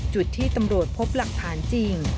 จุดที่ตำรวจพบหลักฐานจริง